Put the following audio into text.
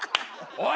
おい！